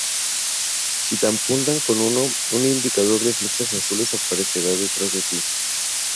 Si te apuntan con uno, un indicador de flechas azules aparece detrás de ti.